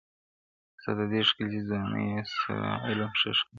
• ستا د دې ښکلي ځوانیه سره علم ښه ښکارېږي..